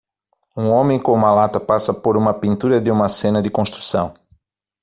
Um homem com uma lata passa por uma pintura de uma cena de construção.